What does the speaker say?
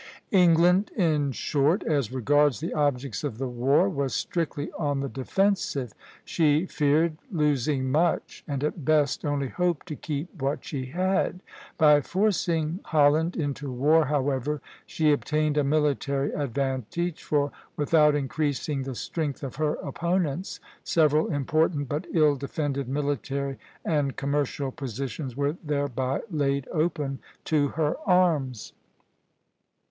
England, in short, as regards the objects of the war, was strictly on the defensive; she feared losing much, and at best only hoped to keep what she had. By forcing Holland into war, however, she obtained a military advantage; for, without increasing the strength of her opponents, several important but ill defended military and commercial positions were thereby laid open to her arms.